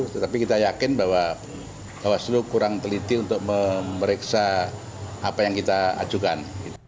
tetapi kita yakin bahwa bawaslu kurang teliti untuk memeriksa apa yang kita ajukan